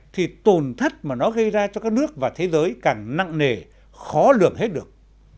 thì tồn thất mà nó gây ra cho các nước và thế giới càng nặng nề khó lường hết được